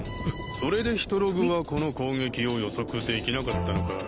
それでヒトログはこの攻撃を予測できなかったのか。